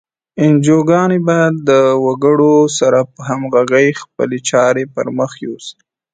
انجوګانې باید د وګړو سره په همغږۍ خپلې چارې پر مخ یوسي.